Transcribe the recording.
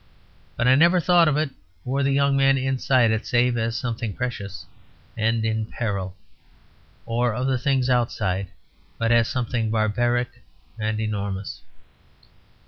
But I never thought of it or the young men inside it save as something precious and in peril, or of the things outside but as something barbaric and enormous.